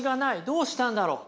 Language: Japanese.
どうしたんだろう？